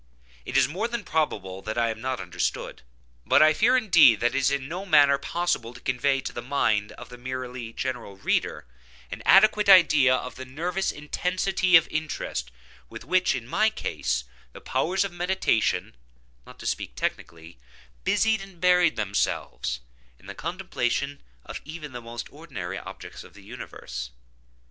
It is more than probable that I am not understood; but I fear, indeed, that it is in no manner possible to convey to the mind of the merely general reader, an adequate idea of that nervous intensity of interest with which, in my case, the powers of meditation (not to speak technically) busied and buried themselves, in the contemplation of even the most ordinary objects of the universe.